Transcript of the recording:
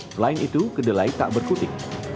selain itu kedelai tak berkutik